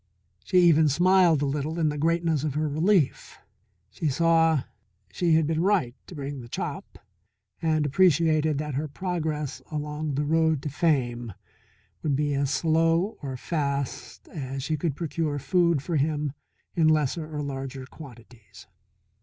She even smiled a little in the greatness of her relief. She saw she had been right to bring the chop, and appreciated that her progress along road to fame would be as slow or fast as she could procure food for him in lesser or larger quantities.